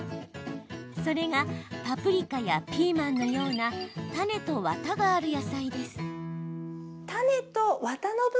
それがパプリカやピーマンのようなタネとワタがある野菜です。